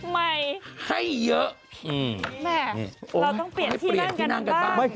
แม่เราต้องเปลี่ยนที่นั่งกันบ้าง